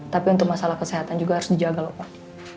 tapi untuk masalah kesehatan juga harus dijaga lho pak